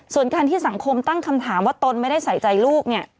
ส่วนการที่สังคมตั้งคำถามว่าตนไม่ได้ใส่ใจลูกเนี่ย